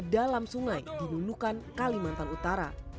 dalam sungai di nunukan kalimantan utara